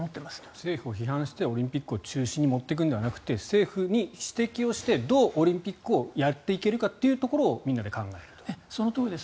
政府を批判してオリンピックを中止に持っていくのではなくて政府に指摘をしてどうオリンピックをやっていけるかというところをそのとおりです。